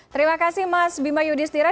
terima kasih mas bima yudhistira